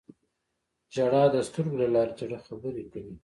• ژړا د سترګو له لارې د زړه خبرې کوي.